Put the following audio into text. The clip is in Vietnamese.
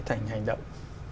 thành hành động